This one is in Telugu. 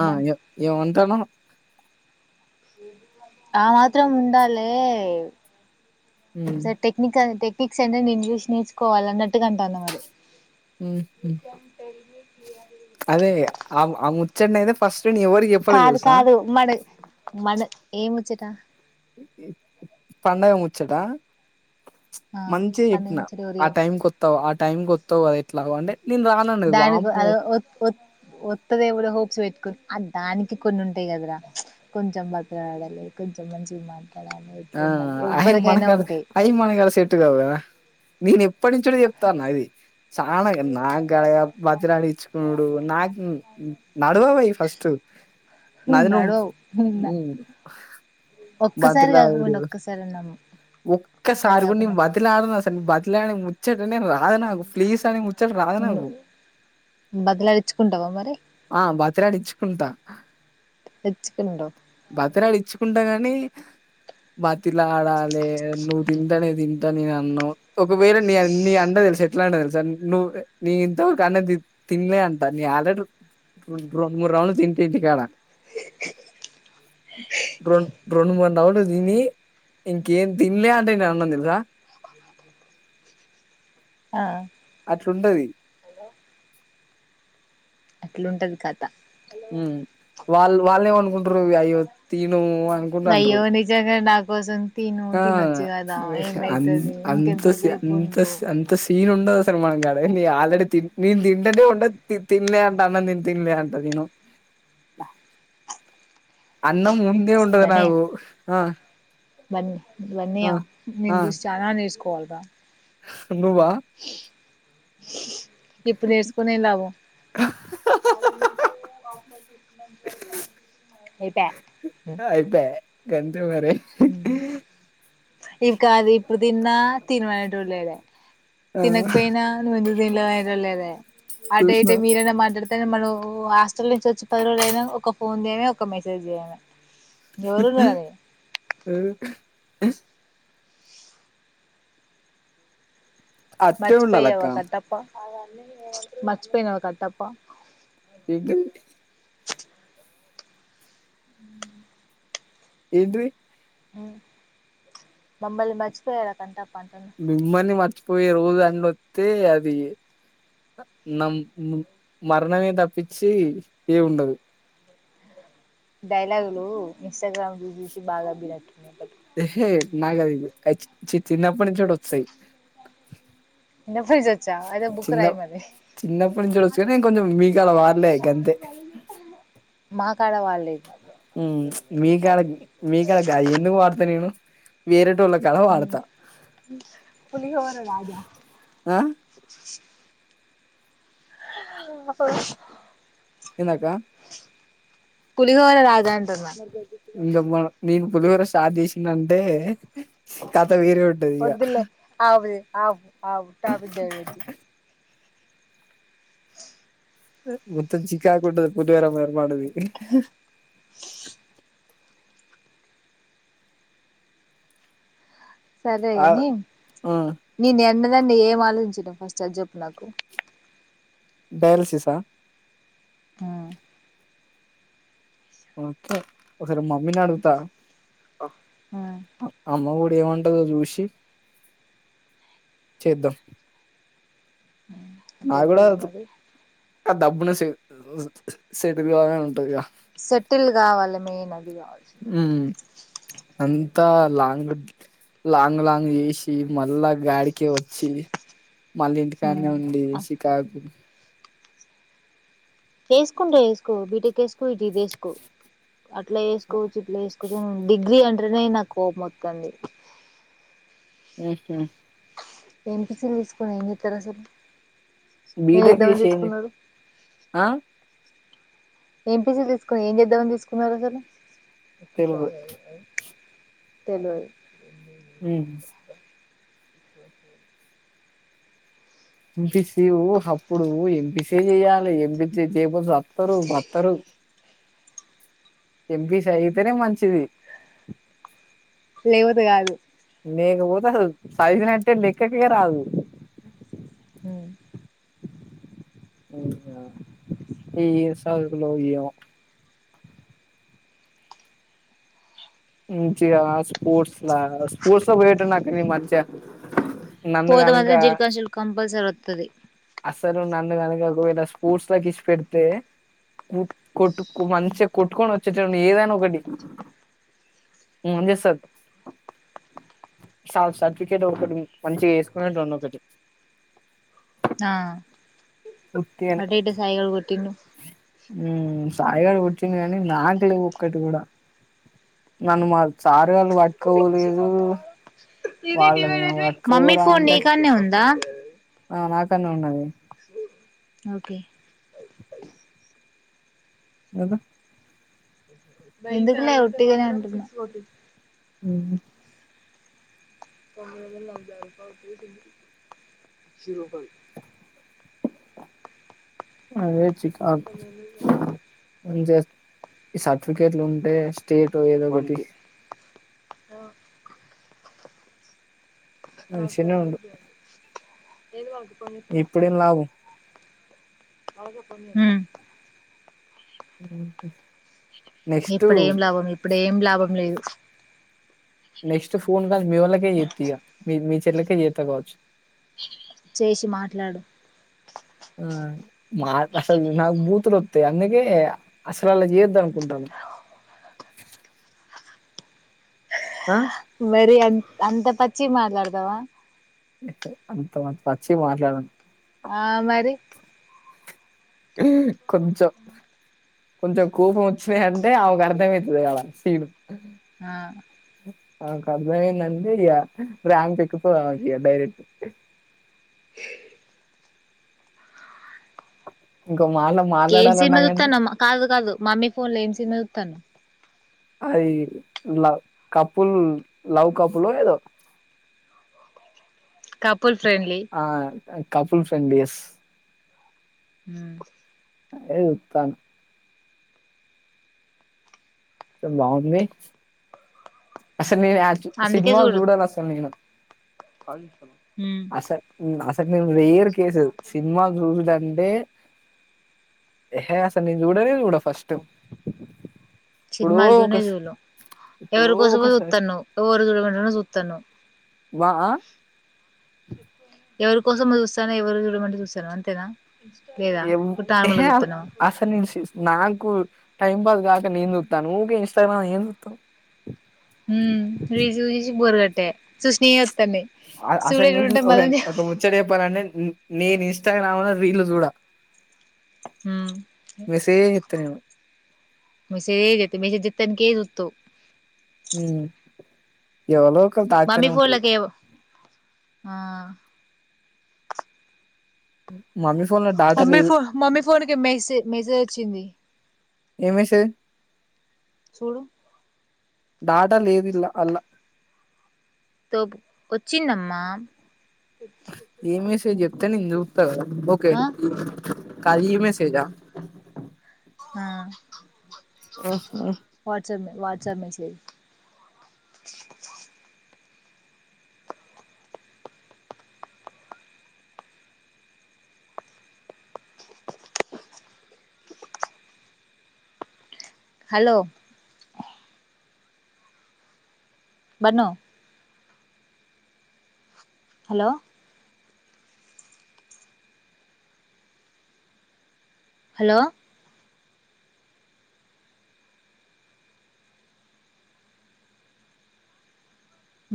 ఆ బన్ ఏం ఏమంటానవ్. ఆ మాత్రం ఉండాలే ఉమ్ సే టెక్నికల్ టేక్ పిక్స్ అంటే నిన్ను చూసి నేర్చుకోవాల అన్నట్టుగా అంటాన్న మరి ఉమ్ ఉమ్ నిజం తెలియకూడదు. ఆవు ఆ ముచ్చనైయితే ఫస్ కాదు కాదు మడు మను ఏముచ్చట పండగ ముచ్చట ఆ మంచిగా పండుగ చెప్పిన ముచ్చట ఎవరు ఆ చెప్పు టైంకిత్తావా ఆ టైంకొత్తవు కదె లవ్వండి. దానికి అదో ఒత్ ఒత్ వత్తదేవురో హోప్స్ పెట్టుకుని దానికి కొన్ని ఉంటాయి కదరా కొంచెం బతిలాడాలి. కొంచెం మంచిగా మా ఆ హయి మనకాడ అయి మనకాడ సెట్టుగావు కదా మీనీప్ ఎప్పటి నుంచో చెప్తానా ఇది చానా నాకు గడ బతిలాడి ఇచ్చుకునుడు. నాకు నడవవవి ఫస్ట్ నాది నువ్వు నడవవు మ్ బతి ఒక్కసారి బతిలాడుడు కాకపోయినా ఒక్కసారి అన్నాము ఒక్కసారి కూడన్ నేను బతిలాడను అసలు బతిలాడని ము ముచ్చేటనే రాదు నాకు ప్లీజ్ అని ము ముచ్చట రాదు నాకు బతిలాడించుకుంటావా మరి ఆ బతిలాడిచ్చుకుంటా తెచ్చుకుండు బతిలాడిచ్చుకుంటగా మీ క్ బత్ బతిలాడాలే నువ్వు తింటనేే తిన్ అంత నీ అన్నం ఒకవేళ నీ నీ అండ తెలుసా ఎట్లా అంటే తెలుసా నువ్వు నీ ఇంత వరకు అన్నం తినలే అంటా నీ ఆల్రెడీ రెండు మూడు రౌండ్లు తింటా ఇంటికాడ రొండ్ రొండు ముడ్ రౌండ్ తిని ఇంకేం తిన్లే అంటే నేను అన్నం తెలుసా ఆ అట్లుఉండది అట్లుంటది కథ మ్ వాళ్ళు వాళ్ళ ఏమ అనుకుంటారు. అయ్యో తిను అనుకుంటుంట్రూ అయ్యో నిజంగా నా కోసం తిను ఆ తినొచ్చు కదా అ ఏమైతది అంత స్ ఇంకెంతసేపు అంత ఉండు స్ అంత సీన్ ఉండదు. అసలు మనకడ ఏంది ఆల్రెడీ తీన్ నేను తిన్ ఏంది ఉండంది తినేలేంట అన్నం తిని తినలే అంట తిను అన్నం ముందే ఉంటది నాకు ఆ బంద్ ఆ! ఇవన్నియా ఆ! నిన్ చూసి చనా నేర్చు కొల్ దా నువ్వా ఇప్పుడు నేర్చకోని ఏమ్ లాభం అయిపాయ్ ఆ అయిపాయ్ గన్ ఉ మరీ ఇంకా అది ఇప్పుడు తిన్నా తినమనేట్లేడు ఆ! తినకపోయినా నువ్వెందుకు తీనమనేట్లేడ [unintelligible] అటే ఇటే చూసినావు. మీరన్న మాట్లాడితే మడొ హాస్టల్ నుంచి వచ్చి పది రోజులు అయినా ఒక ఫోన్ చేయన ఒక మెసేజ్ చేయల వొరున్నారు అ అట్లే ఉండాలక్క మర్చి పోయినావా కట్టప్పా ఎంటి ఆహ ఏంటి ఆ మమ్మల్ని మర్చిపోయావా కట్టప్ మిమల్ని మా పోయే రోజు అన్న వత్తే అది నం మరణమే తప్పించి ఏం ఉండదు డైలాగ్లు ఇన్స్టాగ్రామ్ లో చూసి బాగా అబ్బినట్టున్నాయిలే ఏహే నాకది చి చిన్నప్పటి నుంచి కూడ వస్తాయి వినపడి చచ్చా అయితే బుక్ చిన్న రాయి మరి చిన్నప్పటి నుంచి వచ్చు కాని కొంచెం మీకు అలా వడలే ఇక అంతే కడవాలేదు మ్మ్ మీకాడ మీకాడ కాదు ఎందుకు వాడతా నేను మీరు పులిహోర రాజా ఆ ఎందాక్క పులిహోర రాజా అంటున్న ఇంక మన నేను పులిహోర స్టార్ట్ చేసినంటే కథ వేరే ఉంటది ఇగ ఆవు ఆవు ట్టాపిక్ డైవర్ట్ చెయ్ మొత్తం చికాకుంటదు పులీవోర మరి మనది సరే ఆ గనీ ఆ నీ ద్యాన్డ్ అదండి ఏం ఆలోచించినవ్ ఫస్ట్ అది చెప్పు నాకు డయాలసిస్ ఆ ఆ ఒకసారి మమ్మీని అడుగుతా అ అమ్మ ఊ ఇప్పుడు ఏమంటందో చూసి చేద్దాం ఉం అదే చూడు మరి కన్ దబ్బుణ సే సెట్టిల్ గావాలని ఉంటది గా సెటిల్ కావాలి మెయిన్ అది కావాల్సి మనకి అంత లాంగ్ లాంగ్ లాంగ్ చేసి మళ్ళా గాడికే వచ్చి మళ్ళీ ఇంటికానే ఉ శికాకు చేసుకుంటే చేసుకో బీటికేసుకో ఇటు ఇదేసుకో అట్లా చేసుకోవచ్చు ఇట్లా వేసుకోవచ్చు గను డిగ్రీ అంటే అరినే నా కోపం వత్తంది ఉహ్ ఎంపీసీ తీసుకొని ఏం చెత్తరు అసలు ఏం బీటెక్ చేద్దామని చేసి ఏంది తీసుకున్నారు ఆ ఏంపీసీలు తీసుకుని ఏం చేద్దామని తీసుకున్నారు అసలు ఒక తెలుగు తెలువది ఉం [inaudible] ఇన్ పీస్ అప్పుడు ఎంపి సి ఎ చెయాలి ఎం పి సి చేయపోతే సత్తరు బత్తరు ఎంపిసి అయితేనే మంచిది లేపోతే కాదు లేకపోతదు సదివినట్టే లెక్కకె రాదు అ ఈ సదువులో ఎమో మంచిగా స్పోర్ట్స్లా స్పోర్ట్స్ల పోయేటోన్నక్క నేను మంచిగ పోతే మాత్రం [unintelligible] కంపల్సరీ స్తది అస్సలు నన్ను కనుక ఒకవేళ స్పోర్ట్స్ లోకి ఇడిచిపెడితే కొట్టు మంచిగా కొట్టుకొని వచ్చేటోడిని ఏదన్న ఒకటి [unintelligible] సర్టిఫికెట్ ఒకటి మంచిగా వేసుకునేటోనీ ఒకటి ఆ అటోఇటో సాయి గాడు కొట్టిండు సాయిగాడు కొట్టిండు కానీ నాకు లేవు ఒక్కటి కూడా నన్ను మా సారు వాళ్ళు పట్టుకపోలేదు మమ్మీ ఫోన్ అంటే నీకాడనే ఉందా ఆ నాకన్న ఉన్నది ఓకే ఏది ఎందుకులే వట్టిగానే అంటున్న ఉ త నా కా శరు కా అదే చికాకు ఈ సర్టిఫికెట్లు ఉంటే స్టేట్ ఏదో ఒకటి ఆ మంచిగానే ఉండు [unintelligible] [unintelligible] ఇప్పుడేం లాభం ఆమ్ అహ ఇప్పుడేం లాభం ఇప్పుడేం లాభం లేదు నెక్స్ట్ ఫోన్ కాల్ మీ వోళ్ళకే చేత్తఇగ మీ మీ చెల్లకే చేత కావచ్చు చేసి మాట్లాడు ఆ మా అసలు నాకు బూతులు వస్తయి అందుకే అసలు అలా చేయొద్దు అనుకుంటాన్న ఆ మరి అంత అంత పచ్చి మాట్లాడతవా అంత పచ్చి మాట్లాడను ఆ మరి ఆ కొంచెం కొంచెం కోపం వచ్చినాయంటే ఆమెకు అర్థమైతది ఆడ శీను ఆహ ఆ ఆమెకు అర్థమైంది అంటె ర్యాంపు ఎక్కుతది ఆమె డైరెక్ట్ [unintelligible] ఇంక ఏం సినిమా చూస్తాన్నవ్ కాదు కాదు మమ్మీ ఫోన్ల ఏం సినిమా చూస్తున్నావ్ తాన్నావు అది లవ్ కపుల్ లవ్ కపులో ఏదో కపుల్ ఫ్రెండ్లీ. ఆ కపుల్ ఫ్రెండ్లీయస్. హూ. అదే చూస్తాన. బావుంది అస్. నీ యాత్ అందుకే సినిమాలు చూడు చూడాను అసలు నేను. అస అసలు నేను రేర్ కేసెస్ సినిమా చూసుడంటే. ఎహే అసలు నేను చూడనే చూడా. ఫస్ట్. ఎప్పుడో సినిమాలు చూడనే ఒకస్ చూడవు. ఎప్పుడో ఎవరి కోసమో ఒకసారి సూత్తున్నావ్ ఎవరో చూడమంటేనే సూత్తున్నావ్. వా ఆహ్. ఎవరి కోసం చూస్తానే ఎవరు చూడమంటే చూస్తున్నావ్ అంతేనా. లేదా ఏం ఉట్టి ఎహే నార్మల్గా ఆగు చూస్తానవా అసలు నేను శిసు నాకు. టైమ్ పాస్ కాక నేను చూస్తాను. ఉక ఇంస్టాగ్రామ్ ఏం చూస్తావ్. ఉహూ చూసి చూసి బోర్ కొట్టే చూసీనవే వత్. ఆ అసలు నేను నీకు ఒక ముచ్చట చెప్పాలంటే నేను ఇన్స్టాగ్రామ్ లో రిళ్లు చూడా. ఉమ్. మెసేజ్. తేను. మెసేజ్ చెప్తే మెసేజ్ చెప్పడానికే సూతవు. ఉమ్ ఎవలుక్. తాగుతనే ఉంటారు. ఆహ్. మనుష్. మమ్మీ ఫోన్ మమ్మీ ఫోన్ కి మెసజ్ మెసేజ్ వచ్చింది. ఏం మెసేజ్. చూడు. డాటా లేదీంట్లా అన్లా. తోపు వచ్చిందమ్మా. ఏ మెసేజ్ చెప్తే నేను చూస్తా కదా ఓకే. ఆ ఖాళీ మెసేజ్ ఆ. ఆహ్. ఆహ్ ఓహో. WhatsApp message. Hello. Bannu. Hello hello